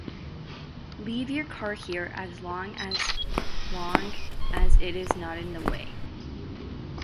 Leave your car here as long as long as it is not in the way.